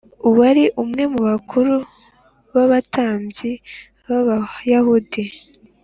wari umwe mu bakuru b abatambyi b Abayahudi